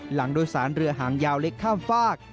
หลังโดยสารเรือหางยาวเล็กข้ามฝาก